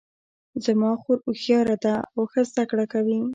زما خور هوښیاره ده او ښه زده کړه کوي